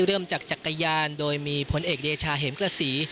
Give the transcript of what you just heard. เริ่มจากจักรยานโดยมีผลเอกเดชาเห็มกระสี